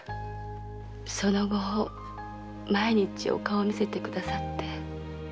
その後毎日お顔を見せてくださって。